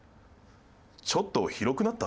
ちょっと広くなった？